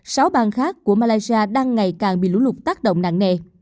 sáu bang khác của malaysia đang ngày càng bị lũ lụt tác động nặng nề